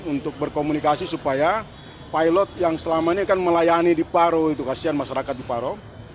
untuk berkomunikasi supaya pilot yang selama ini kan melayani di paro itu kasihan masyarakat di paro